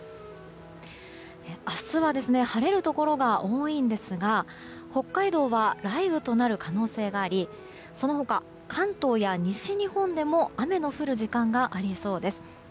明日は晴れるところが多いんですが北海道は雷雨となる可能性がありその他、関東や西日本でも雨の降る時間がありそうです。